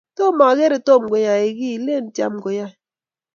tomakere tom koyaei kie Lin Cham koyaei